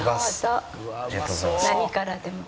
何からでも。